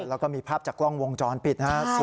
แล้วก็มีภาพจากกล้องวงจรปิดนะครับ